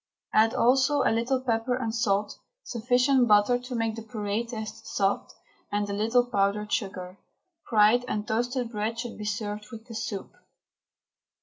Add also a little pepper and salt, sufficient butter to make the puree taste soft, and a little powdered sugar. Fried and toasted bread should be served with the soup.